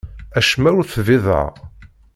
Acemma ur t-nbiḍeɣ.